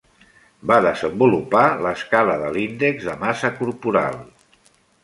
Va desenvolupar l'escala de l'índex de massa corporal.